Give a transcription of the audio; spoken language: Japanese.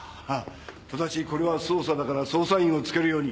ただしこれは捜査だから捜査員をつけるように。